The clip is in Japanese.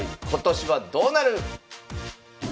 今年はどうなる？